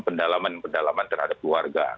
pendalaman pendalaman terhadap keluarga